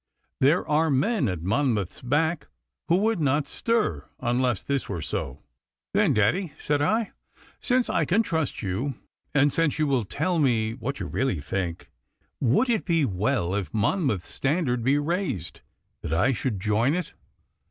There are men at Monmouth's back who would not stir unless this were so.' 'Then, daddy,' said I, 'since I can trust you, and since you will tell me what you do really think, would it be well, if Monmouth's standard be raised, that I should join it?